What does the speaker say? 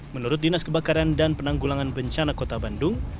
menurut dinas kebakaran dan penanggulangan bencana kota bandung